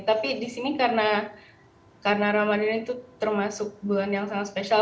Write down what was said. tapi di sini karena ramadan itu termasuk bulan yang sangat spesial